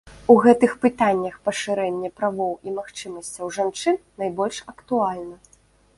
У гэтых пытаннях пашырэнне правоў і магчымасцяў жанчын найбольш актуальна.